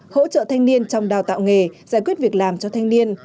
hỗ trợ thanh niên trong đào tạo nghề giải quyết việc làm cho thanh niên